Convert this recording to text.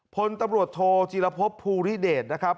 พลตำรวจโทจีรพบภูริเดชนะครับ